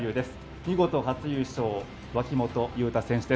見事初優勝、脇本雄太選手です。